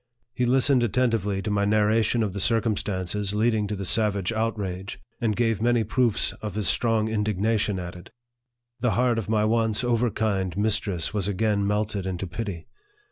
He listened attentively to my narra tion of the circumstances leading to the savage outrage, and gave many proofs of his strong indignation at it. The heart of my once overkind mistress was again melted into pity.